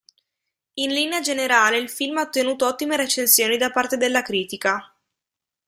In linea generale il film ha ottenuto ottime recensioni da parte della critica.